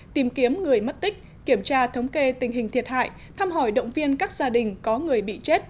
tìm kiếm người mất tích kiểm tra thống kê tình hình thiệt hại thăm hỏi động viên các gia đình có người bị chết